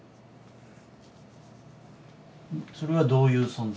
それはどういう存在？